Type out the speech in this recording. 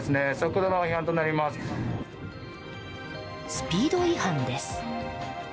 スピード違反です。